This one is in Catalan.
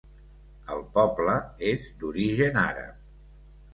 El poble és d'origen àrab.